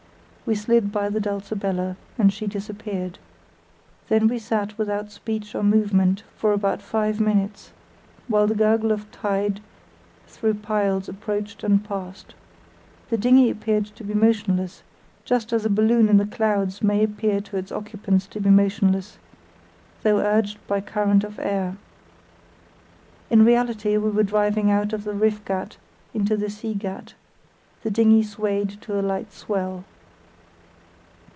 We slid by the Dulcibella, and she disappeared. Then we sat without speech or movement for about five minutes, while the gurgle of tide through piles approached and passed. The dinghy appeared to be motionless, just as a balloon in the clouds may appear to its occupants to be motionless, though urged by a current of air. In reality we were driving out of the Riff Gat into the See Gat. The dinghy swayed to a light swell.